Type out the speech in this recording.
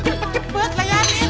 cepet cepet lah ya amin